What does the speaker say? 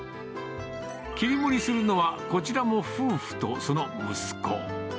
切り盛りするのは、こちらも夫婦とその息子。